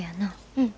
うん。